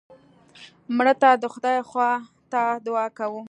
مړه ته د خدای خوا ته دعا کوو